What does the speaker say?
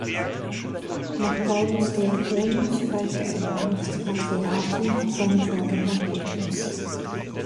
Nach Paulus Diaconus folgte er im Amt des Patriarchen seinem Vorgänger Petrus.